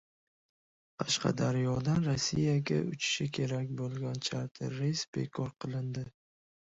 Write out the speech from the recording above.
Qashqadaryodan Rossiyaga uchishi kerak bo‘lgan charter reys bekor qilindi